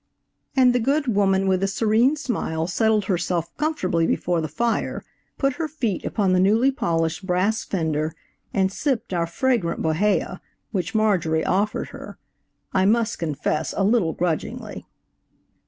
And the good woman with a serene smile settled herself comfortably before the fire, put her feet upon the newly polished brass fender and sipped our fragrant Bohea, which Marjorie offered her, I must confess a little grudgingly.